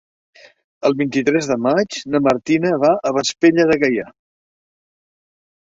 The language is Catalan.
El vint-i-tres de maig na Martina va a Vespella de Gaià.